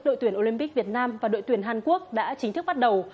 đội tuyển olympic việt nam và đội tuyển hàn quốc đã chính thức bắt đầu